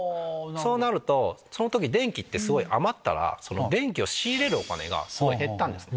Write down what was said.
そうなるとその時電気って余ったら電気を仕入れるお金がすごい減ったんですね。